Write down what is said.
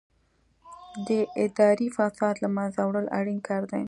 د اداري فساد له منځه وړل اړین کار دی.